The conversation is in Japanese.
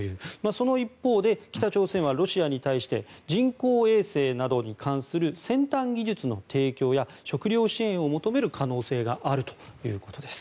その一方で北朝鮮はロシアに対して人工衛星などに関する先端技術の提供や食料支援を求める可能性があるということです。